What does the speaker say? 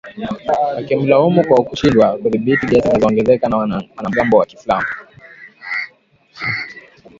wakimlaumu kwa kushindwa kudhibiti ghasia zinazoongezeka za wanamgambo wa kiislamu